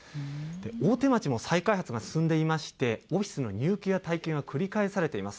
大手町も再開発が進んでいまして、オフィスの入居や退去が繰り返されています。